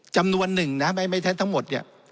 จำนวน๑นะไม่ทั้งหมด